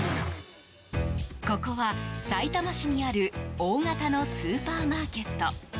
ここは、さいたま市にある大型のスーパーマーケット。